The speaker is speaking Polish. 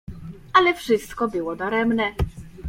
Ale wszystko było daremne.